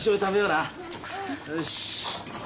よし。